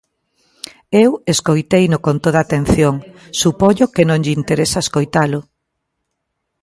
Eu escoiteino con toda atención, supoño que non lle interesa escoitalo.